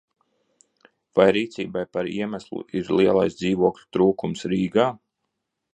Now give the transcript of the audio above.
Šai rīcībai par iemeslu ir lielais dzīvokļu trūkums Rīgā.